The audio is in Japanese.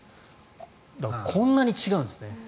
だから、こんなに違うんですね。